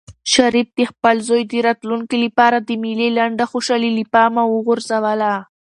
شریف د خپل زوی د راتلونکي لپاره د مېلې لنډه خوشحالي له پامه وغورځوله.